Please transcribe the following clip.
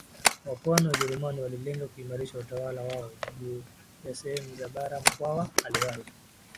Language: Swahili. wa pwani Wajerumani walilenga kuimarisha utawala wao juu ya sehemu za baraMkwawa aliwahi